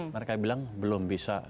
mereka bilang belum bisa